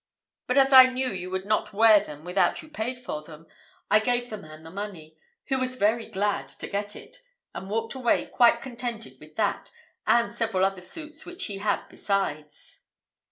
But as I knew you would not wear them without you paid for them, I gave the man the money, who was very glad to get it, and walked away quite contented with that, and several other suits that he had besides."